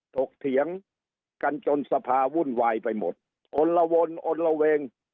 ถกเถียงกันจนสภาวุ่นวายไปหมดอลละวนอนละเวง